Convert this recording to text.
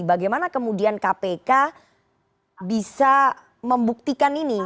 bagaimana kemudian kpk bisa membuktikan ini